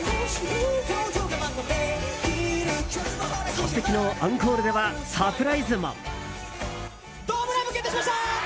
そして昨日アンコールではサプライズも。